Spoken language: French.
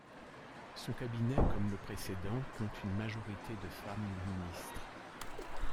Son cabinet, comme le précédent, compte une majorité de femmes ministres.